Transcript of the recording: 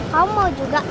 kamu mau juga